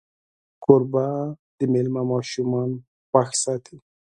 کوربه د میلمه ماشومان خوښ ساتي.